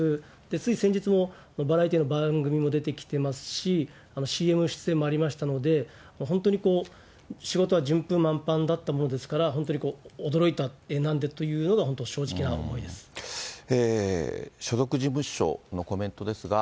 つい先日もバラエティーの番組にも出てきてますし、ＣＭ出演もありましたので、本当にこう、仕事は順風満帆だったものですから、本当に驚いた、えっ、なんで？っていうのが本当、所属事務所のコメントですが。